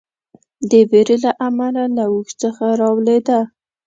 د وېرې له امله له اوښ څخه راولېده.